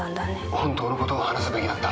本当のことを話すべきだった。